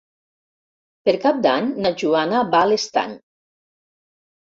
Per Cap d'Any na Joana va a l'Estany.